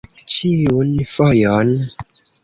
Ĉiun fojon!